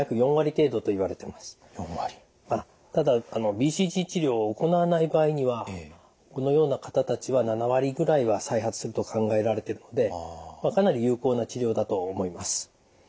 ただＢＣＧ治療を行わない場合にはこのような方たちは７割ぐらいは再発すると考えられてるのでかなり有効な治療だと思います。